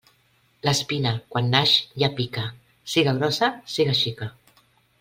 L'espina, quan naix ja pica, siga grossa siga xica.